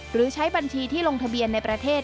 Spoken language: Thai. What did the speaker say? หรือใช้บัญชีที่ลงทะเบียนในประเทศ